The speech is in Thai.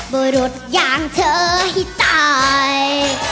บริดอย่างเธอให้ตาย